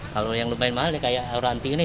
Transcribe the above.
kalau yang lumayan mahal ya kayak auranti ini